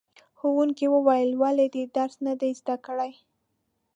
ښوونکي وویل ولې دې درس نه دی زده کړی؟